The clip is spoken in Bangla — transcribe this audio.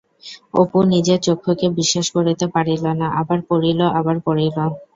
অপু নিজের চক্ষুকে বিশ্বাস করিতে পারিল না,-আবার পড়িল-আবার পড়িল।